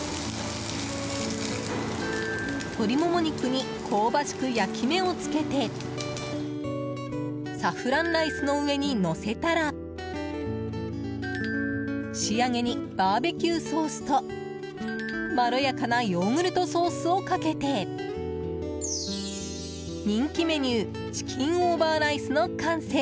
鶏もも肉に香ばしく焼き目をつけてサフランライスの上にのせたら仕上げに、バーベキューソースとまろやかなヨーグルトソースをかけて人気メニューチキンオーバーライスの完成。